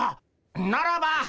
ならば。